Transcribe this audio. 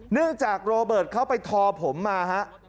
เนื่องจากโรเบิร์ตเขาไปทอผมมา